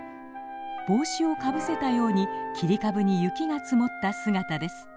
帽子をかぶせたように切り株に雪が積もった姿です。